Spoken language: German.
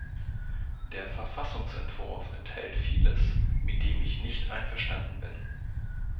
Der Verfassungsentwurf enthält vieles, mit dem ich nicht einverstanden bin.